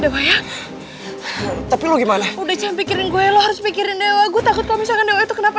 dewa ya tapi lu gimana udah cemikirin gue harus pikirin dewa gue takut kalau misalnya itu kenapa